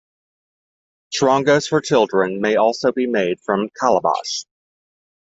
Charangos for children may also be made from calabash.